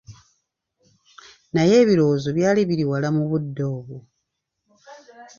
Naye ebirowoozo byali biri wala mudde obwo.